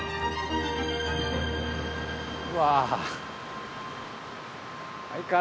うわ！